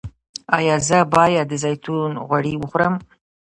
ایا زه باید د زیتون غوړي وخورم؟